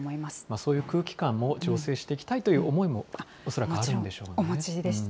そういう空気感も醸成していきたいという思いも恐らくあるんもちろん、お持ちでした。